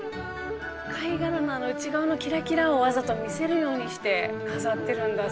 貝殻のあの内側のキラキラをわざと見せるようにして飾ってるんだ。